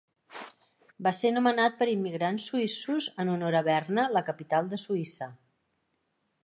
Va ser nomenat per immigrants suïssos en honor a Berna, la capital de Suïssa.